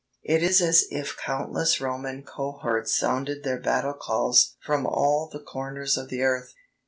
It is as if countless Roman cohorts sounded their battle calls from all the corners of the earth....